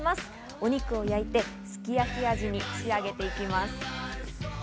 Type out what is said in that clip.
お肉を焼いて、すき焼き味に仕上げていきます。